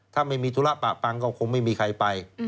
ถ้าไม่มีธุระปะปังก็คงไม่มีใครไป